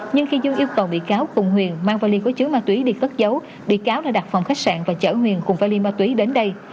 nhưng khi dương yêu cầu biệt cáo cùng nguyền mang vali của chứa ma túy đi cất giấu biệt cáo đã đặt phòng khách sạn và chở nguyền cùng vali ma túy đến đây